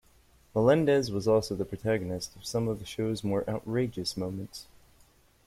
Melendez was also the protagonist of some of the show's more outrageous moments.